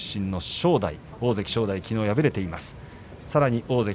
正代はきのう敗れています。